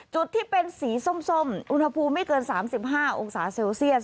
จุดที่เป็นสีส้มอุณหภูมิไม่เกิน๓๕องศาเซลเซียส